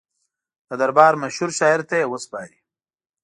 د دربار مشهور شاعر ته یې وسپاري.